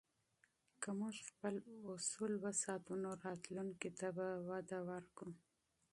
که موږ خپل اصول وساتو، نو راتلونکي ته به وده ورکوو.